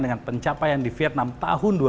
dengan pencapaian di vietnam tahun dua ribu dua puluh